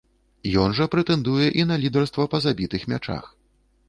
Ён жа прэтэндуе і на лідарства па забітых мячах.